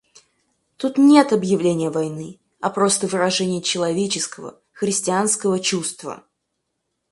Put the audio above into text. Тут нет объявления войны, а просто выражение человеческого, христианского чувства.